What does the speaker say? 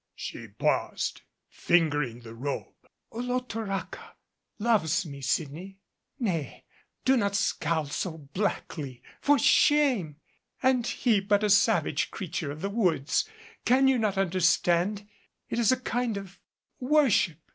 She paused, fingering the robe. "Olotoraca loves me, Sydney. Nay, do not scowl so blackly. For shame! And he but a savage creature of the woods! Can you not understand? It is a kind of worship.